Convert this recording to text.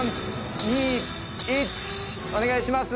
お願いします。